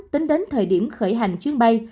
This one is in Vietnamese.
tính đến thời điểm khởi hành chuyến bay